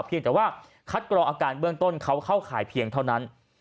เพียงแต่ว่าคัดกรองอาการเบื้องต้นเขาเข้าข่ายเพียงเท่านั้น